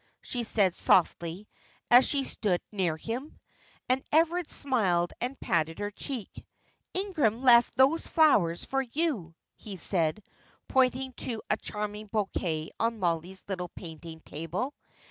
she said, softly, as she stood near him. And Everard smiled and patted her cheek. "Ingram left those flowers for you," he said, pointing to a charming bouquet on Mollie's little painting table.